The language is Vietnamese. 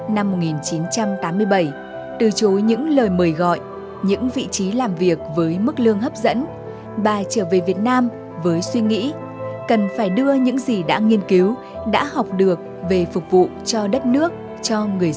năm một nghìn chín trăm chín mươi sáu nguyễn thị chính được cấp bằng sáng chế patent của tiệp khắc về công nghệ sản xuất nấm không cần khử trùng nguyên liệu đạt năng suất cao